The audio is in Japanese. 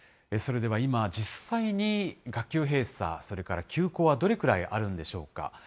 それでは今、実際に学級閉鎖、それから休校はどれくらいあるんでしょうか。